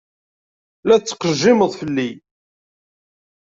La tettqejjimeḍ fell-i.